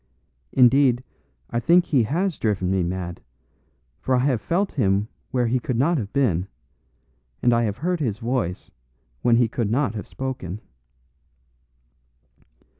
Indeed, I think he has driven me mad; for I have felt him where he could not have been, and I have heard his voice when he could not have spoken."